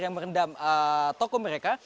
yang merendam toko mereka